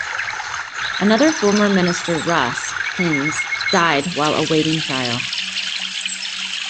Another former minister, Russ Hinze, died while awaiting trial.